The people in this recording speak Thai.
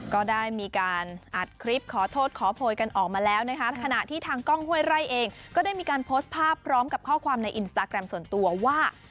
ก็ได้มีการอัดคลิปขอโทษขอโพยกันออกมาแล้วนะคะขณะที่ทางกล้องห้วยไร่เองก็ได้มีการโพสต์ภาพพร้อมกับข้อความในอินสตาแกรมส่วนตัวว่า